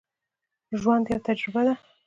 ژوند یوه تجربه ده.